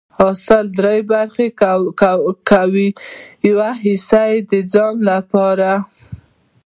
حاصل دری برخي کول، يوه حيصه د ځان لپاره